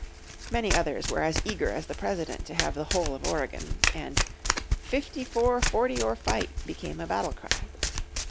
Many others were as eager as the President to have the whole of Oregon, and "Fifty four Forty or Fight" became a battle cry.